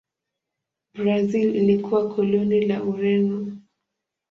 Brazil ilikuwa koloni la Ureno.